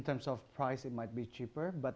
berdasarkan harga mungkin lebih murah